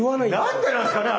何でなんですかね